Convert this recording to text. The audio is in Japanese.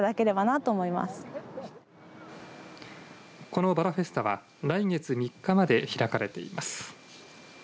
このバラフェスタは来月３日まで開かれています。